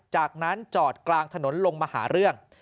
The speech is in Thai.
จากนั้นจอดกลางถนนลงมาหาเรื่อง